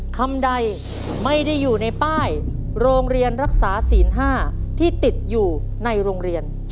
คำใดไม่ได้อยู่ในป้ายโรงเรียนรักษาศีล๕ที่ติดอยู่ในโรงเรียน